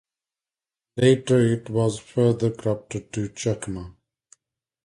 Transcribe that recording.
Later it was further corrupted to "Chakma".